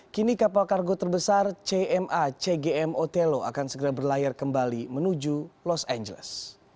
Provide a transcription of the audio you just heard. kini kapal kargo terbesar cma cgm otelo akan segera berlayar kembali menuju los angeles